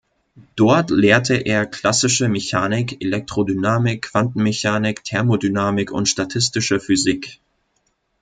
Dort lehrte er Klassische Mechanik, Elektrodynamik, Quantenmechanik, Thermodynamik und Statistische Physik.